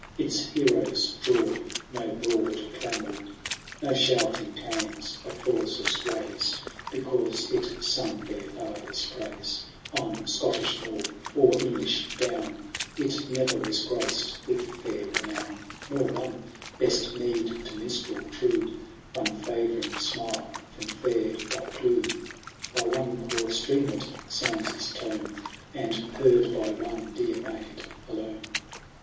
Its heroes draw no broad claymore ; No shouting clans applauses raise, Because it sung their father's praise ;' On Scottish moor, or English down, It ne'er was graced with £ur renown ; Nor won, — best meed to minstrel true«— One favouring smile from £Eur Buocjlbuch ! By one poor streamlet sounds its tone, And heard by one dear maid alone.